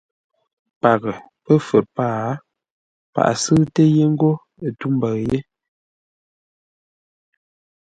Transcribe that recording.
Paghʼə, Pəfə̂r pâa; paghʼə sʉ́ʉtə yé ńgó tû mbəʉ yé.